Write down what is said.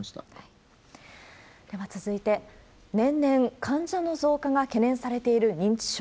では続いて、年々、患者の増加が懸念されている認知症。